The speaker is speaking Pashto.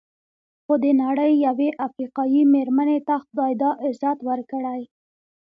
خو د نړۍ یوې افریقایي مېرمنې ته خدای دا عزت ورکړی.